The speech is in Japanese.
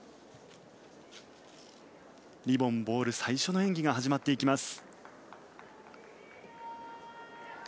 リボン・ボール最初の演技が始まっていきます。